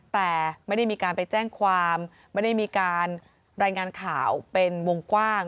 แต่ไม่ได้มีการไปแจ้งความไม่ได้มีการรายงานข่าวเป็นวงกว้าง